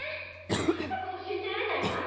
あんたこそ信じられないわ。